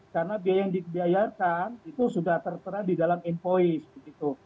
karena biaya yang dibiayakan itu sudah tertera di dalam invoice begitu